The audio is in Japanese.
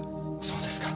そうですか。